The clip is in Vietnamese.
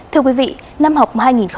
thưa quý vị năm học hai nghìn hai mươi hai